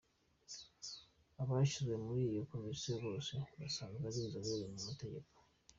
Abashyizwe muri iyo komisiyo bose basanzwe ari inzobere mu mategeko.